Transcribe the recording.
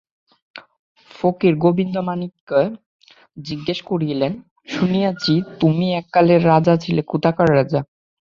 ফকির গোবিন্দমাণিক্যকে জিজ্ঞাসা করিলেন, শুনিয়াছি তুমি এক কালে রাজা ছিলে, কোথাকার রাজা?